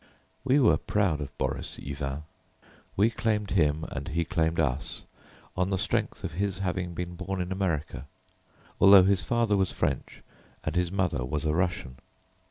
We were proud of Boris Yvain. We claimed him and he claimed us on the strength of his having been born in America, although his father was French and his mother was a Russian.